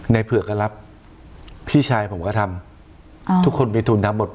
ในเผื่อก็รับพี่ชายผมก็ทำทุกคนมีทุนทั้งหมด